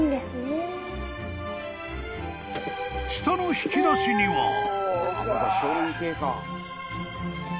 ［下の引き出しには］